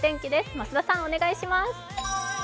増田さん、お願いします。